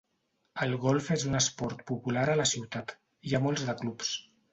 El golf és un esport popular a la ciutat, hi ha molts de clubs.